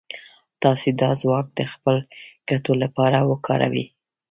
تاسې دا ځواک د خپلو ګټو لپاره وکاروئ.